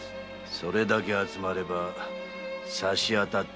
それだけ集まればさし当たっては十分。